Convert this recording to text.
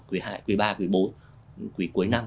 quỷ ba quỷ bốn quỷ cuối năm